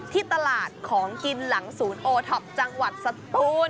ที่ตลาดของกินหลังศูนย์โอท็อปจังหวัดสตูน